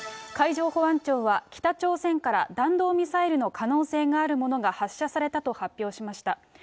海上保安庁は、北朝鮮から弾道ミサイルの可能性があるものが発射されたと発表しました。